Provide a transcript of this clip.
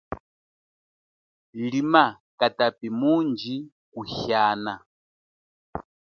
Lima katapi mundji kuhiana.